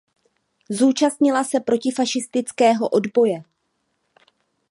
Zúčastnila se protifašistického odboje.